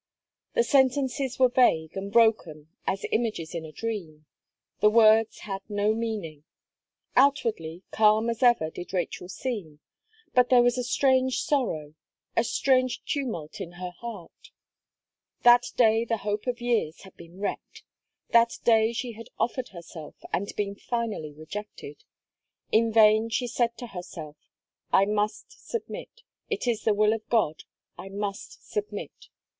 The sentences were vague and broken as images in a dream; the words had no meaning. Outwardly, calm as ever did Rachel seem, but there was a strange sorrow a strange tumult in her heart. That day the hope of years had been wrecked, that day she had offered herself, and been finally rejected. In vain she said to herself: "I must submit it is the will of God, I must submit."